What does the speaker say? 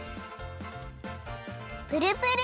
プルプル。